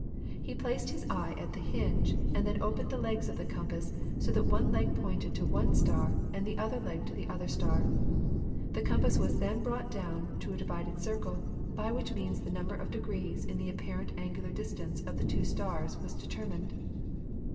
He placed his eye at the hinge, and then opened the legs of the compass so that one leg pointed to one star and the other leg to the other star. The compass was then brought down to a divided circle, by which means the number of degrees in the apparent angular distance of the two stars was determined.